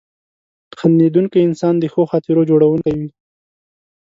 • خندېدونکی انسان د ښو خاطرو جوړونکی وي.